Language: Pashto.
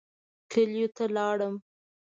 کلیو ته لاړم.